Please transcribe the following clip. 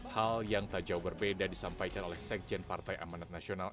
hal yang tak jauh berbeda disampaikan oleh sekjen partai amanat nasional